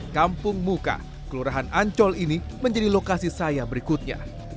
kampung muka kelurahan ancol ini menjadi lokasi saya berikutnya